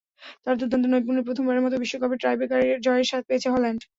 তাঁর দুর্দান্ত নৈপুণ্যেই প্রথমবারের মতো বিশ্বকাপের টাইব্রেকারে জয়ের স্বাদ পেয়েছে হল্যান্ড।